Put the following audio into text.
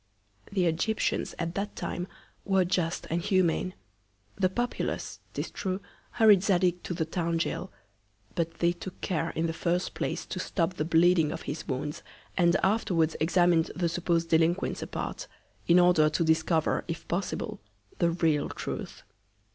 The Egyptians at that Time were just and humane. The Populace, tis true, hurried Zadig to the Town Goal; but they took care in the first Place to stop the Bleeding of his Wounds, and afterwards examin'd the suppos'd Delinquents apart, in order to discover, if possible, the real Truth.